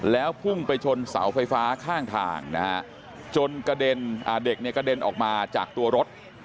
แล้วพุ่งไปชนเสาไฟฟ้าข้างทางนะครับจนเด็กกระเด็นออกมาจากตัวรถ